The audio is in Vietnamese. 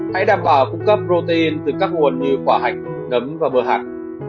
hãy đảm bảo cung cấp protein từ các nguồn như quả hạch nấm và bờ hạt